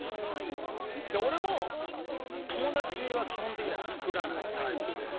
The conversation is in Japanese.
俺も友達は基本的には作らないタイプで。